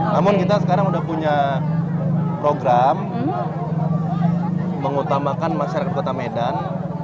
namun kita sekarang sudah punya program mengutamakan masyarakat kota medan